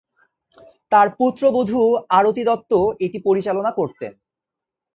তার পুত্রবধূ আরতি দত্ত এটি পরিচালনা করতেন।